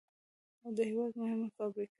او د هېواد مهمه فابريكه ده،